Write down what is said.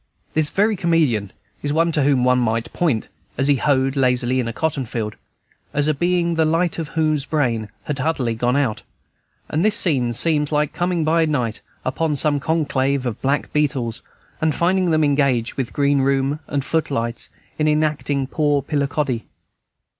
This very comedian is one to whom one might point, as he hoed lazily in a cotton field, as a being the light of whose brain had utterly gone out; and this scene seems like coming by night upon some conclave of black beetles, and finding them engaged, with green room and foot lights, in enacting "Poor Pillicoddy."